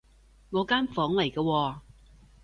我間房嚟㗎喎